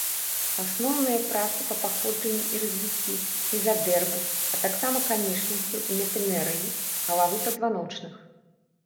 Асноўныя працы па паходжанні і развіцці мезадэрмы, а таксама канечнасцяў і метамерыі галавы пазваночных.